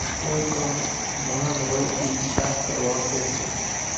ڪونئين پڻ ڀڻل هوئيَ اِي شاستر وانسيَ سي۔